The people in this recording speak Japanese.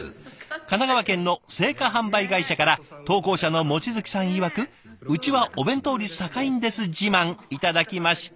神奈川県の生花販売会社から投稿者の望月さんいわく「うちはお弁当率高いんです自慢」頂きました。